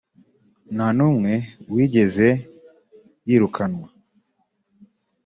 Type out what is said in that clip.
nta n’umwe wigeze yirukanwa